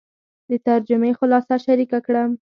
د ترجمې خلاصه شریکه کړم.